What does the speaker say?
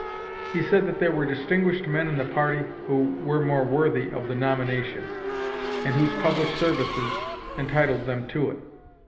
He said that there were distinguished men in the party who were more worthy of the nomination, and whose public services entitled them to it.